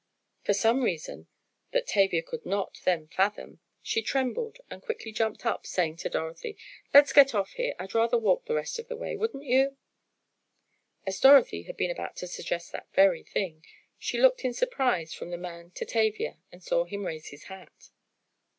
For some reason that Tavia could not then fathom, she trembled, and quickly jumped up, saying to Dorothy: "Let's get off here! I'd rather walk the rest of the way; wouldn't you?" As Dorothy had been about to suggest that very thing, she looked in surprise from the man to Tavia and saw him raise his hat.